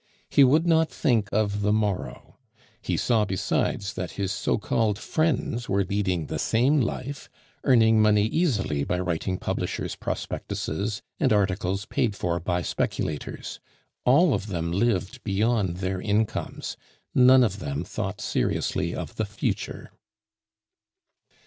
He would not think of the morrow. He saw besides that his so called friends were leading the same life, earning money easily by writing publishers' prospectuses and articles paid for by speculators; all of them lived beyond their incomes, none of them thought seriously of the future.